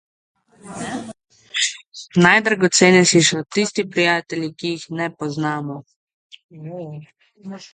Najdragocenejši so tisti prijatelji, ki jih ne poznamo.